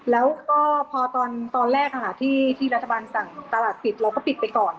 แล้วก็พอตอนแรกที่รัฐบาลสั่งตลาดปิดเราก็ปิดไปก่อน